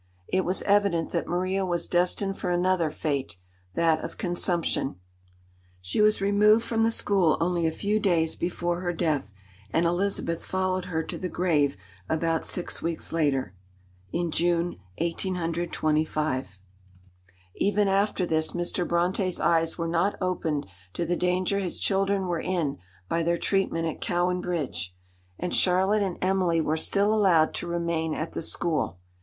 It was evident that Maria was destined for another fate, that of consumption. She was removed from the school only a few days before her death, and Elizabeth followed her to the grave about six weeks later, in June 1825. Even after this Mr. Brontë's eyes were not opened to the danger his children were in by their treatment at Cowan Bridge, and Charlotte and Emily were still allowed to remain at the school.